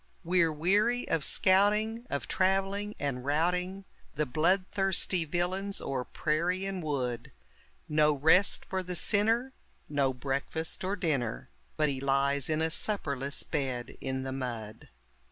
We're weary of scouting, of traveling, and routing The blood thirsty villains o'er prairie and wood; No rest for the sinner, no breakfast or dinner, But he lies in a supperless bed in the mud.